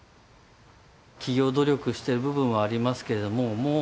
企業努力している部分はありますけれどももう